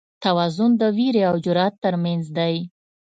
توازن د وېرې او جرئت تر منځ دی.